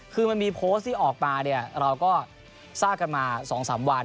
คือมันมีโพสต์ที่ออกมาเนี่ยเราก็ทราบกันมา๒๓วัน